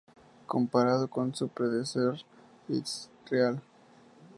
Comparado con su predecesor, "Is This Real?